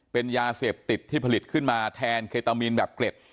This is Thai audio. เป็นยาเสพติดที่ผลิตขึ้นมาแทนเคตามีนแบบเกล็ด